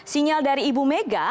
sinyal dari ibu mega